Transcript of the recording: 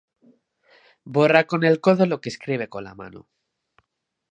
Borra con el codo lo que escribe con la mano.